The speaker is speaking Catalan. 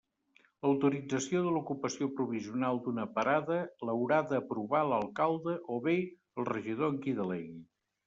L'autorització de l'ocupació provisional d'una parada l'haurà d'aprovar l'alcalde o bé, el regidor en qui delegui.